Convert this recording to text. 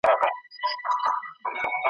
یوه ورځ په ښار کي جوړه غلغله سوه `